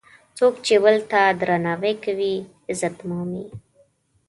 څوک چې بل ته درناوی کوي، عزت مومي.